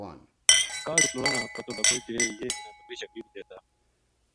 کاہڈ اس لُڑا نا پتو لگو جے یہ مَنا بکری شکری نیہہ دیتا